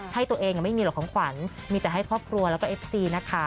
ให้ตัวเองไม่มีหรอกของขวัญมีแต่ให้ครอบครัวแล้วก็เอฟซีนะคะ